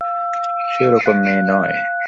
সে ওরকম মেয়ে নয়।